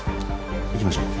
行きましょう。